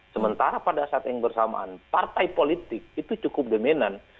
sementara pada saat yang bersamaan partai politik itu cukup dominan